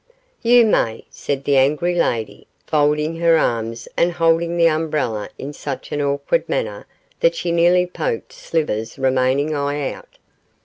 'You may,' said the angry lady, folding her arms and holding the umbrella in such an awkward manner that she nearly poked Slivers' remaining eye out.